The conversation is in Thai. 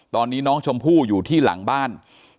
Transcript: ตอนนี้น้องชมพู่อยู่ที่หลังบ้าน